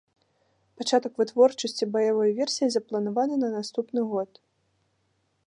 Пачатак вытворчасці баявой версіі запланаваны на наступны год.